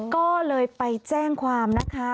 ก็เลยไปแจ้งความนะคะ